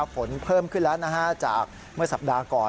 ฝนเพิ่มขึ้นแล้วจากเมื่อสัปดาห์ก่อน